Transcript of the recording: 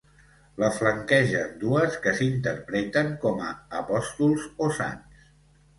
La flanquegen dues que s'interpreten com a apòstols o sants.